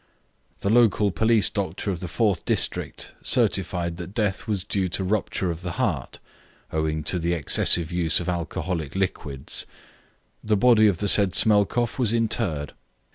The local police doctor of the fourth district certified that death was due to rupture of the heart, owing to the excessive use of alcoholic liquids. The body of the said Smelkoff was interred.